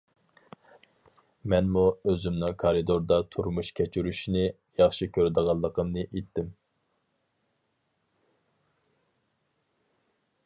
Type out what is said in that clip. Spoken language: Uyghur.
مەنمۇ ئۆزۈمنىڭ كارىدوردا تۇرمۇش كەچۈرۈشنى ياخشى كۆرىدىغانلىقىمنى ئېيتتىم.